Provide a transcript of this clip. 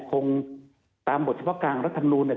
คงตามบทพการรัฐนูนเนี่ย